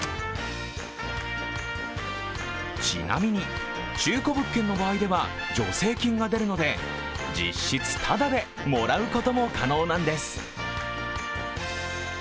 ちなみに、中古物件の場合では助成金が出るので実質タダでもらうことも可能なんです。